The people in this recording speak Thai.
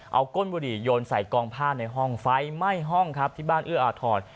เอาก้นบุหรี่โยนใส่กองผ้าในห้องไฟไหม้ห้องครับที่บ้านเอื้ออาทร